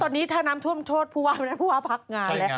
ตอนนี้ถ้าน้ำท่วมโทษผู้ว่าไม่ได้ผู้ว่าพักงานแล้ว